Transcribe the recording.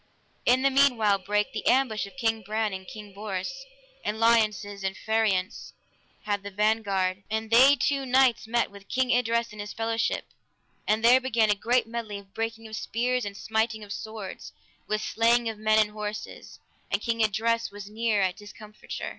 In the meanwhile brake the ambushment of King Ban and King Bors, and Lionses and Phariance had the vanguard, and they two knights met with King Idres and his fellowship, and there began a great medley of breaking of spears, and smiting of swords, with slaying of men and horses, and King Idres was near at discomforture.